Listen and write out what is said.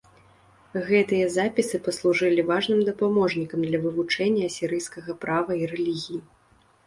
Гэтыя запісы паслужылі важным дапаможнікам для вывучэння асірыйскага права і рэлігіі.